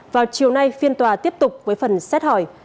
vào chiều nay phiên tòa tiếp tục với phần xét hỏi